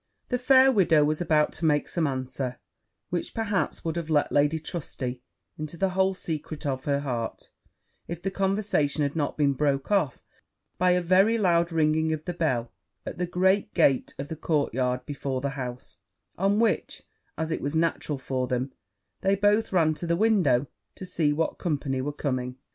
The fair widow was about to make some answer, which perhaps would have let Lady Trusty into the whole secret of her heart, if the conversation had not been broke off by a very loud ringing of the bell at the great gate of the courtyard before the house; on which, as it was natural for them, they both ran to the window to see what company were coming.